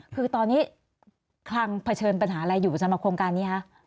คือตอนนี้คลังเผชิญปัญหาอะไรอยู่สำหรับโครงการนี้คะ